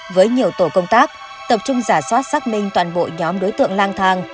với nhiều tổ công tác tập trung giả soát xác minh toàn bộ nhóm đối tượng lang thang